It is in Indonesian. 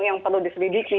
yang perlu diselidiki